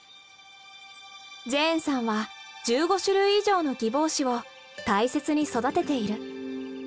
ジェーンさんは１５種類以上のギボウシを大切に育てている。